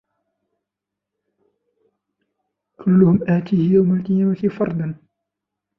وكلهم آتيه يوم القيامة فردا